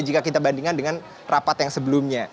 jika kita bandingkan dengan rapat yang sebelumnya